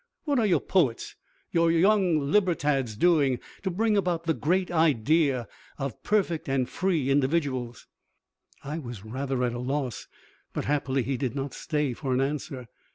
What are your poets, your young Libertads, doing to bring About the Great Idea of perfect and free individuals?" I was rather at a loss, but happily he did not stay for an answer.